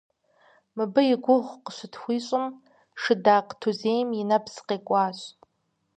Мыбы и гугъу къыщытхуищӏым, Шыдакъ Тузем и нэпс къекӏуащ.